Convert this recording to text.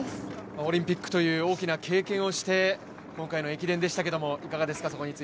オリンピックという大きな経験をして今回の駅伝でしたけれども、いかがでしたか？